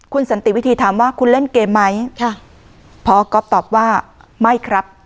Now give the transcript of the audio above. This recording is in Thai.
คุณสันติวิธีถามว่าคุณเล่นเกมไหมค่ะพอก๊อฟตอบว่าไม่ครับ